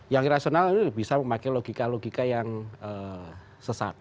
yang rasional itu bisa memakai logika logika yang sesat